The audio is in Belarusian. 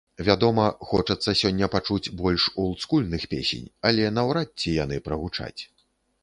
Вядома, хочацца сёння пачуць больш олдскульных песень, але наўрад ці яны прагучаць.